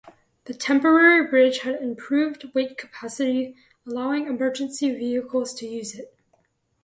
The temporary bridge had improved weight capacity, allowing emergency vehicles to use it.